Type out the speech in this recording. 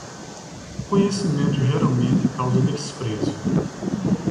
O conhecimento geralmente causa desprezo.